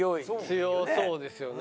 強そうですよね。